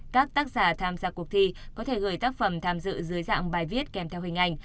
các tác giả tham gia cuộc thi có thể gửi tác phẩm tham dự dưới dạng bài viết kèm theo hình ảnh